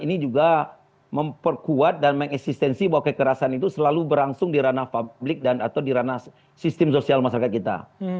ini juga memperkuat dan mengesistensi bahwa kekerasan itu selalu berlangsung di ranah publik dan atau di ranah sistem sosial masyarakat kita